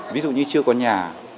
ví dụ như chưa có nhà